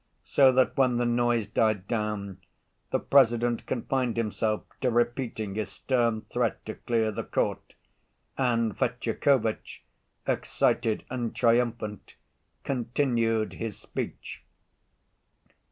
So that when the noise died down, the President confined himself to repeating his stern threat to clear the court, and Fetyukovitch, excited and triumphant, continued his speech.)